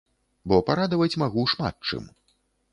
Бо парадаваць магу шмат чым.